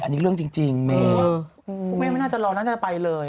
อันนี้เรื่องจริงเมย์พวกแม่ไม่น่าจะรอน่าจะไปเลย